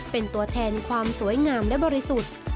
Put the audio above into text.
เป็นตัวแทนความสวยงามและบริสุทธิ์